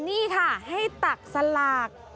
นี่ค่ะให้ตักสลาก